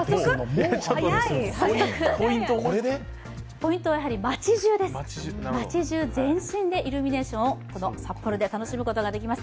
ポイントは、やはり街じゅうです、街じゅう全身で、札幌でイルミネーションを楽しむことができます。